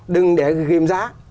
đừng để ghim giá